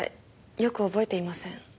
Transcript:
よく覚えていません。